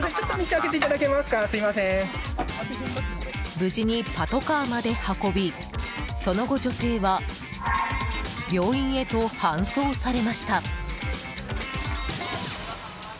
無事にパトカーまで運びその後、女性は病院へと搬送されました。